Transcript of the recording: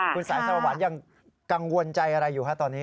คุณสายสวรรค์ยังกังวลใจอะไรอยู่ฮะตอนนี้